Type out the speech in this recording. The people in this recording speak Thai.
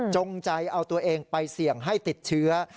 จงใจเอาตัวเองไปเสี่ยงให้ติดเชื้อ